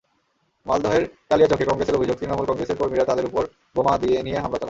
মালদহের কালিয়াচকে কংগ্রেসের অভিযোগ, তৃণমূল কংগ্রেসের কর্মীরা তাঁদের ওপর বোমা নিয়ে হামলা চালান।